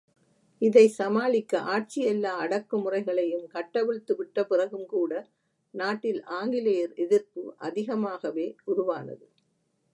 இதைச் சமாளிக்க ஆட்சி எல்லா அடக்குமுறைகளையும் கட்டவிழ்த்து விட்ட பிறகும் கூட நாட்டில் ஆங்கிலேயர் எதிர்ப்பு அதிகமாகவே உருவானது.